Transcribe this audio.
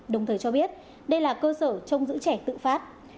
đồng thời cho biết đây là cơ sở trong giữ trẻ tự phát